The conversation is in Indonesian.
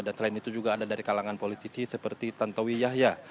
dan selain itu juga ada dari kalangan politisi seperti tantowi yahya